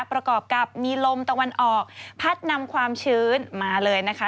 ประกอบกับมีลมตะวันออกพัดนำความชื้นมาเลยนะคะ